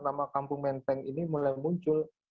nama kampung menteng ini mulai muncul